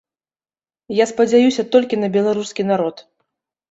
Я спадзяюся толькі на беларускі народ.